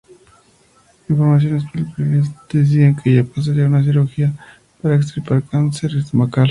Informaciones preliminares decían que ella pasaría por una cirugía para extirpar un cáncer estomacal.